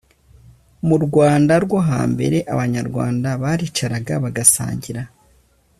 Mu Rwanda rwo hambere abanyarwanda baricaraga bagasangira.